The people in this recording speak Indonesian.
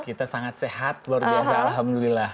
kita sangat sehat luar biasa alhamdulillah